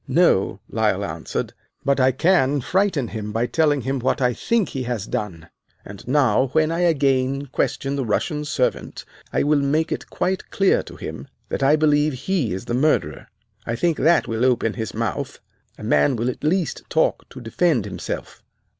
"'No,' Lyle answered, 'but I can frighten him by telling him what I think he has done, and now when I again question the Russian servant I will make it quite clear to him that I believe he is the murderer. I think that will open his mouth. A man will at least talk to defend himself.